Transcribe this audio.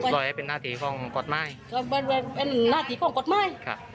เลยไหลที่สาย